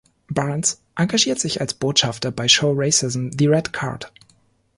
Barnes engagiert sich als Botschafter bei Show Racism the Red Card.